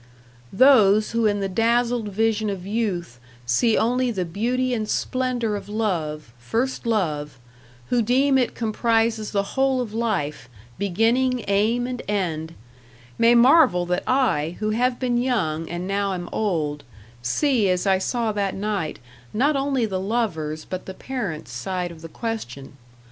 Those who in the dazzled vision of youth see only the beauty and splendour of love first love, who deem it comprises the whole of life, beginning, aim, and end may marvel that I, who have been young and now am old, see as I saw that night, not only the lover's but the parents' side of the question.